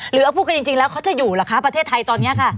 หรือเอาพูดกันจริงแล้วเขาจะอยู่เหรอคะประเทศไทยตอนนี้ค่ะ